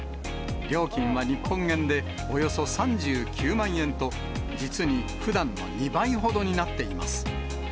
料金は日本円でおよそ３９万円と、実にふだんの２倍ほどになっています。